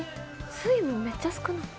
水分めっちゃ少ない。